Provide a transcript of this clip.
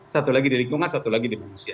satu lagi di lingkungan satu lagi di manusia